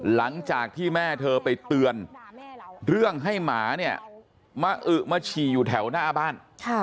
หลังจากที่แม่เธอไปเตือนเรื่องให้หมาเนี่ยมาอึมาฉี่อยู่แถวหน้าบ้าน